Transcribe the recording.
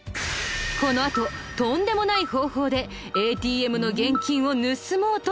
このあととんでもない方法でＡＴＭの現金を盗もうとします。